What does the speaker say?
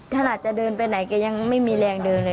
ขนาดจะเดินไปไหนแกยังไม่มีแรงเดินเลย